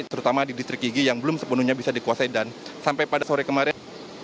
terutama di distrik yigi yang belum sepenuhnya bisa dikuasai dan sampai pada sore kemarin